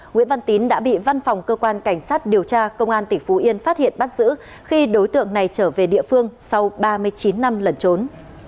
nguyễn văn tín đã bị văn phòng cơ quan cảnh sát điều tra công an tỉnh phú yên phát hiện bắt giữ khi đối tượng này trở về địa phương sau ba mươi chín năm lẩn trốn